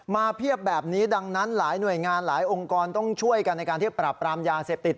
เพียบแบบนี้ดังนั้นหลายหน่วยงานหลายองค์กรต้องช่วยกันในการที่จะปรับปรามยาเสพติด